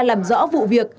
làm rõ vụ việc